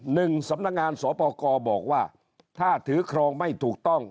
หนึ่งสำนักงานสปกรบอกว่าถ้าถือครองไม่ถูกต้อง